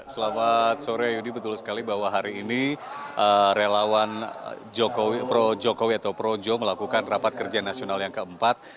selamat sore yudi betul sekali bahwa hari ini relawan jokowi pro jokowi atau projo melakukan rapat kerja nasional yang keempat